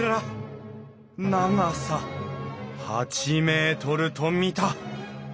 長さ８ｍと見た！